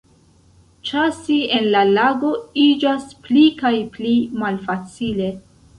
Ĉasi en la lago iĝas pli kaj pli malfacile.